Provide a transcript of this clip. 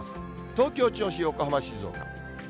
東京、銚子、横浜、静岡。